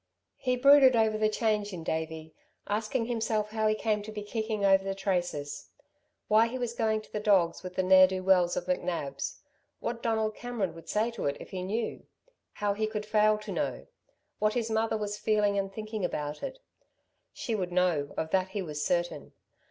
He brooded over the change in Davey, asking himself how he came to be kicking over the traces; why he was going to the dogs with the ne'er do wells of McNab's, what Donald Cameron would say to it if he knew; how he could fail to know; what his mother was feeling and thinking about it. She would know, of that he was certain.